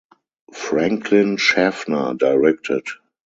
Franklin Schaffner directed.